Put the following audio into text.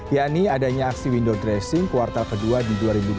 yaitu adanya aksi window dressing kuartal ke dua di dua ribu dua puluh dua